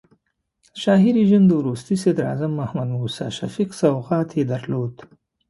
د شاهي رژیم د وروستي صدراعظم محمد موسی شفیق سوغات یې درلود.